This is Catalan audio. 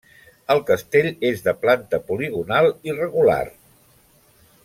El castell és de planta poligonal irregular.